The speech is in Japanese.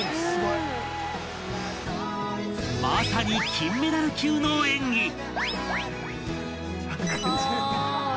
［まさに金メダル級の演技］